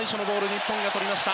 日本がとりました。